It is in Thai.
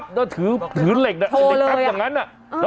บอกพี่เข้า